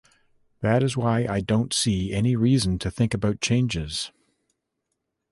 That is why I don't see any reason to think about changes.